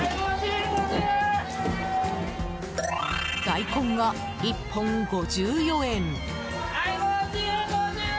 大根が１本５４円。